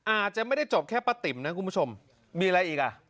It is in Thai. อาจจะไม่ได้จบแค่ป้าติ๋มนะคุณผู้ชมมีอะไรอีกอ่ะ